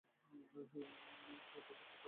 হেই তুমি কোথায়?